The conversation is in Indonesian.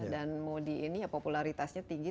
dan modi ini ya popularitasnya tinggi